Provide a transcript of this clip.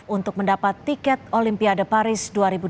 untuk mendapat tiket olympia de paris dua ribu dua puluh empat